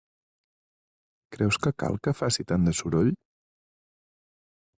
Creus que cal que faci tant de soroll?